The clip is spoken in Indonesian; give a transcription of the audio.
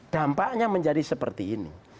dampaknya menjadi seperti ini